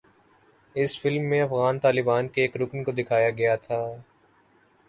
اس film میں افغان طالبان کے ایک رکن کو دکھایا گیا تھا